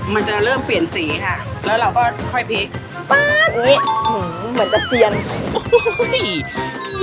มันจะเริ่มเปลี่ยนสีค่ะแล้วเราก็ค่อยพลิกป๊าดเอ้ยเหมือนจะเซียนโอ้โห